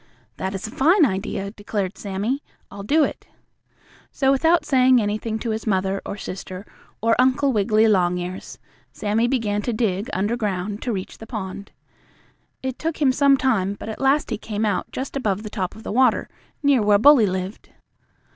"That is a fine idea," declared Sammie. "I'll do it." So, without saying anything to his mother or sister or Uncle Wiggily Longears, Sammie began to dig under ground to reach the pond. It took him some time, but at last he came out just above the top of the water, near where Bully lived.